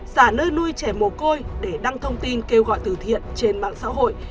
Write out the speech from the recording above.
giả nơi nuôi trẻ mồ côi để đăng thông tin kêu gọi từ thiện trên mạng xã hội